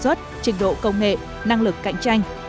sản xuất trình độ công nghệ năng lực cạnh tranh